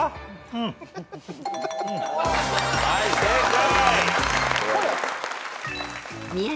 はい正解！